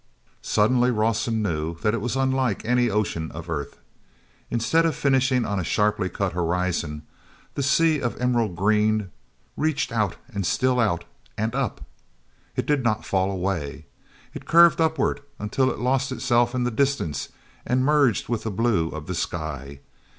Suddenly Rawson knew that it was unlike any ocean of earth. Instead of finishing on a sharply cut horizon, that sea of emerald green reached out and still out, and up! It did not fall away. It curved upward, until it lost itself in the distance and merged with the blue of the sky.